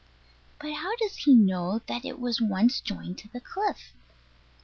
But how does he know that it was once joined to the cliff?